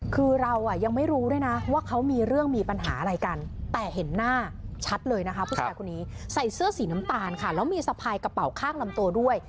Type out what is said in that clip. คือเราอ่ะยังไม่รู้ด้วยนะว่าเขามีเรื่องมีปัญหาอะไรกันแต่เห็นหน้าชัดเลยนะคะผู้ชายคนนี้ใส่เสื้อสีน้ำตาลค่ะแล้วมีสะพายกระเป๋าข้างลำตัวด้วย